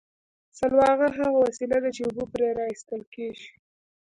سلواغه هغه وسیله ده چې اوبه پرې را ایستل کیږي